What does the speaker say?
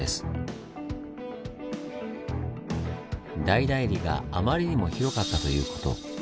大内裏があまりにも広かったということ。